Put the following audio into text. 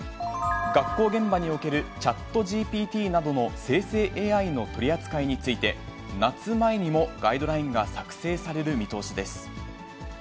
学校現場におけるチャットＧＰＴなどの生成ＡＩの取り扱いについて、夏前にもガイドラインが作成される見通しです。